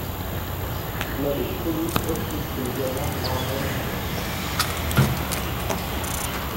L'abbé Chollet refuse que les Allemands l'emmènent à Metz.